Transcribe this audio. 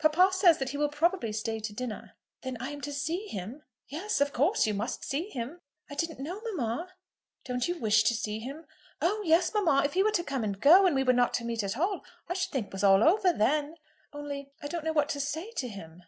"Papa says that he will probably stay to dinner." "Then I am to see him?" "Yes; of course you must see him." "I didn't know, mamma." "Don't you wish to see him?" "Oh yes, mamma. If he were to come and go, and we were not to meet at all, I should think it was all over then. Only, I don't know what to say to him."